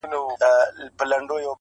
همدم نه سو د یو ښکلي د ښکلو انجمن کي,